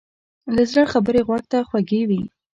له زړه خبرې غوږ ته خوږې وي.